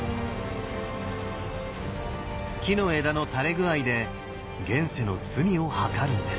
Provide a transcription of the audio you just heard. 木の枝の垂れ具合で現世の罪をはかるんです。